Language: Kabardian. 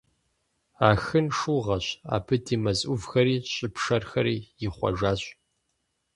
Ахын шыугъэщ, абы ди мэз Ӏувхэри щӀы пшэрхэри ихъуэжащ.